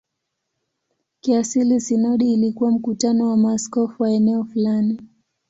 Kiasili sinodi ilikuwa mkutano wa maaskofu wa eneo fulani.